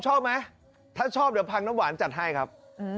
ชอบไหมถ้าชอบเดี๋ยวพังน้ำหวานจัดให้ครับ